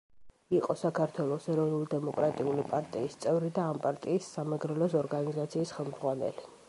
იყო საქართველოს ეროვნულ-დემოკრატიული პარტიის წევრი და ამ პარტიის სამეგრელოს ორგანიზაციის ხელმძღვანელი.